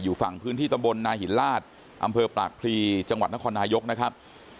อยู่ฝั่งพื้นที่ตำบลนาหินลาศอำเภอปากพลีจังหวัดนครนายกนะครับ